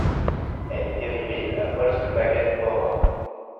Elle est dérivée de la Volkswagen Bora.